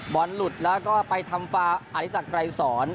บอลหลุดแล้วก็ไปทำฟาอธิสักไกรสอน